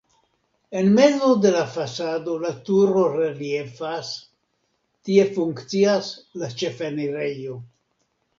En mezo de la fasado la turo reliefas, tie funkcias la ĉefenirejo.